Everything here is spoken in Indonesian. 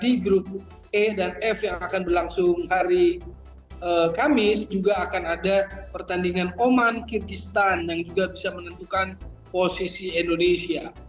di grup e dan f yang akan berlangsung hari kamis juga akan ada pertandingan oman kirgistan yang juga bisa menentukan posisi indonesia